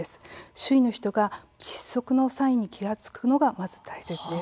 周囲の人が窒息のサインに気付くのが大切です。